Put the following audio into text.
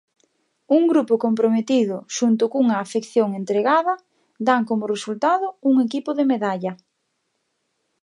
Un grupo comprometido xunto cunha afección entregada dan como resultado un equipo de medalla.